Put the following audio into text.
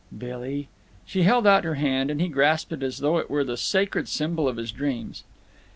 "Billy—" She held out her hand, and he grasped it as though it were the sacred symbol of his dreams.